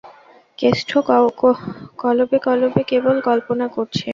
কেষ্ট কলবে কলবে কেবল কল্পনা করছে।